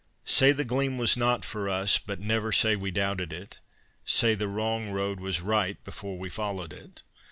Say the gleam was not for us, but never say we doubted it; Say the wrong road was right before we followed it.